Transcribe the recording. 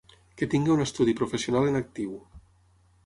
Que tingui un estudi professional en actiu.